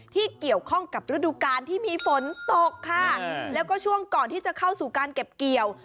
ที่เกี่ยวข้องกับฤดูกาลที่มีฝนตกค่ะแล้วก็ช่วงก่อนที่จะเข้าสู่การเก็บเกี่ยว